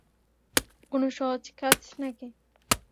কোনো সহজ কাজ নাকি?